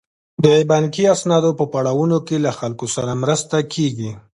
د بانکي اسنادو په پړاوونو کې له خلکو سره مرسته کیږي.